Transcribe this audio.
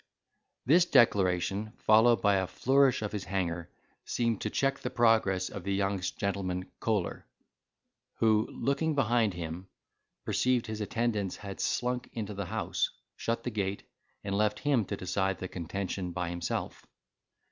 This declaration, followed by a flourish of his hanger, seemed to check the progress of the young gentleman's choler, who, looking behind him, perceived his attendants had slunk into the house, shut the gate, and left him to decide the contention by himself.